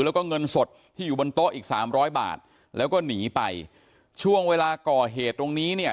แล้วก็เงินสดที่อยู่บนโต๊ะอีกสามร้อยบาทแล้วก็หนีไปช่วงเวลาก่อเหตุตรงนี้เนี่ย